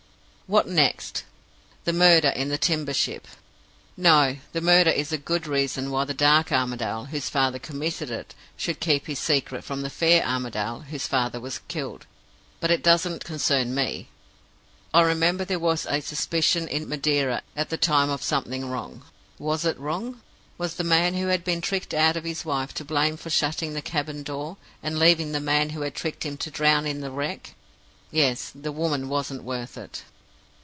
"What next? The murder in the timber ship? No; the murder is a good reason why the dark Armadale, whose father committed it, should keep his secret from the fair Armadale, whose father was killed; but it doesn't concern me. I remember there was a suspicion in Madeira at the time of something wrong. Was it wrong? Was the man who had been tricked out of his wife to blame for shutting the cabin door, and leaving the man who had tricked him to drown in the wreck? Yes; the woman wasn't worth it.